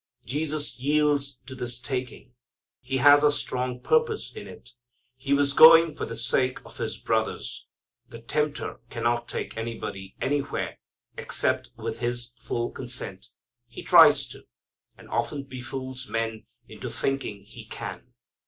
Jesus yields to his taking. He has a strong purpose in it. He was going for the sake of His brothers. The tempter cannot take anybody anywhere except with his full consent. He tries to, and often befools men into thinking he can.